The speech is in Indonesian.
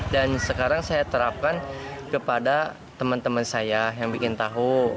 dan sekarang saya terapkan kepada teman teman saya yang bikin tahu